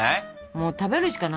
もう食べるしかない。